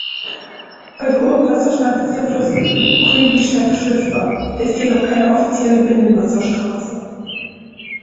Bei hohem Wasserstand ist der Fluss ab Kuibyschew schiffbar, ist jedoch keine offizielle Binnenwasserstraße.